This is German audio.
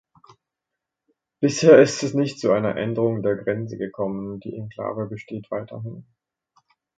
Bisher ist es nicht zu einer Änderung der Grenze gekommen; die Enklave besteht weiterhin.